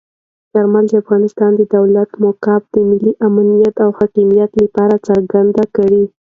کارمل د افغانستان د دولت موقف د ملي امنیت او حاکمیت لپاره څرګند کړ.